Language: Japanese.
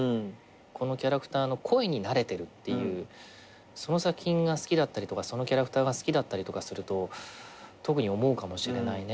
このキャラクターの声になれてるっていうその作品が好きだったりとかそのキャラクターが好きだったりとかすると特に思うかもしれないね。